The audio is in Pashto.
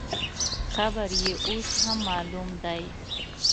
قبر یې اوس هم معلوم دی.